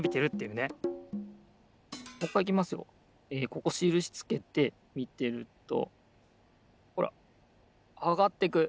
ここしるしつけてみてるとほらあがってく。